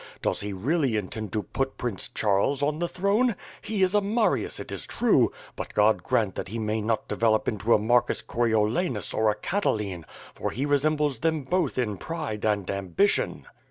Does he really intend to put Prince Charles on the throne? He is a ilarius, it is true; but God grant that he may not develop into a Marcus Coriolanus or a Cataline, for he resembles them both in pride and ambition.'